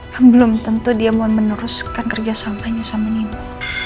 kan belum tentu dia mau meneruskan kerjasamanya sama nino